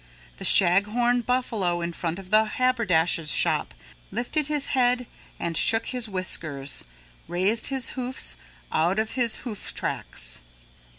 The Shaghorn Buffalo in front of the haberdasher shop lifted his head and shook his whiskers, raised his hoofs out of his hoof tracks.